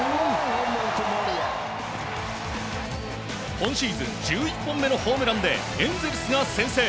今シーズン１１本目のホームランでエンゼルスが先制。